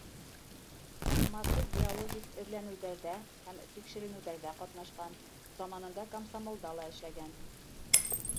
Ҡатмарлы геологик эҙләнеүҙәрҙә һәм тикшеренеүҙәрҙә ҡатнашҡан, заманында комсомолда ла эшләгән.